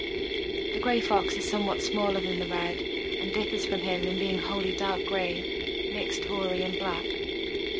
The Gray Fox is somewhat smaller than the Red and differs from him in being wholly dark gray "mixed hoary and black."